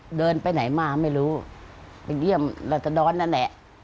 ท่านเดินไปไหนมาไม่รู้เป็นเยี่ยมรัตดรณ่านแหละ